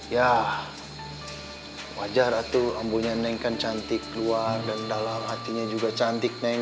ya wajar itu ambunya neng kan cantik luar dan dalam hatinya juga cantik neng